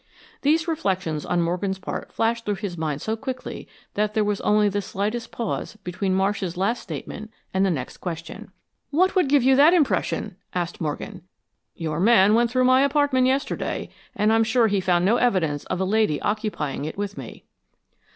These reflections on Morgan's part flashed through his mind so quickly that there was only the slightest pause between Marsh's last statement and the next question. "What would give you that impression?" asked Morgan. "Your man went through my apartment yesterday, and I'm sure he found no evidence of a lady occupying it with me."